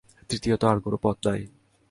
তৃতীয়ত আর কোন পথ নাই।